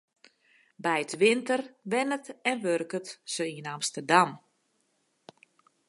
By 't winter wennet en wurket se yn Amsterdam.